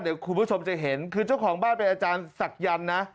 เดี๋ยวคุณผู้ชมจะเห็นคือเจ้าของบ้านเป็นอาจารย์ศักยันต์นะ